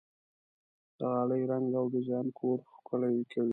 د غالۍ رنګ او ډیزاین کور ښکلی کوي.